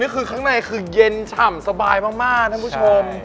คือข้างในคือเย็นฉ่ำสบายมากท่านผู้ชม